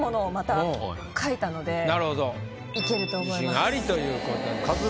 自信ありという。